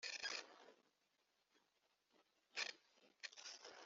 na we afite umuhoro utyaye